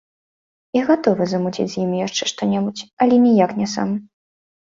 Я гатовы замуціць з імі яшчэ што-небудзь, але ніяк не сам.